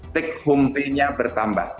take home pay nya bertambah